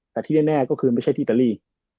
แต่ที่แน่ก็คือไม่ใช่ที่อิตาลี